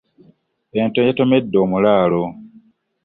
Ente yatomedde omulaalo.